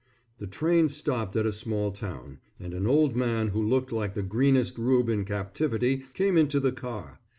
The train stopped at a small town, and an old man who looked like the greenest rube in captivity came into the car.